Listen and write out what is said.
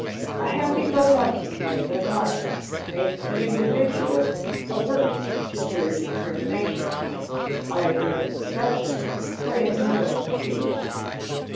A happy go lucky frame of mind makes the individual averse to clear discriminations, either in perception or in his own speech.